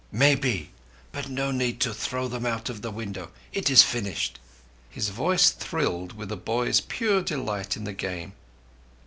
"Maybe; but no need to throw them out of the window ... It is finished." His voice thrilled with a boy's pure delight in the Game.